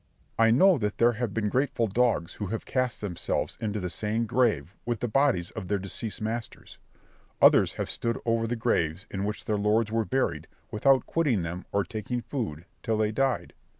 I know that there have been grateful dogs who have cast themselves into the same grave with the bodies of their deceased masters; others have stood over the graves in which their lords were buried without quitting them or taking food till they died.